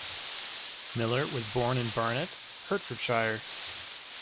Miller was born in Barnet, Hertfordshire.